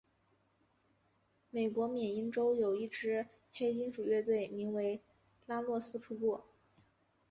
美国缅因洲有一支黑金属乐队名为拉洛斯瀑布。